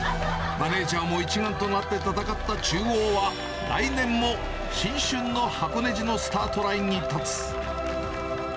マネージャーも一丸となって戦った中央は、来年も新春の箱根路のスタートラインに立つ。